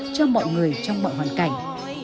cho mọi người trong mọi hoàn cảnh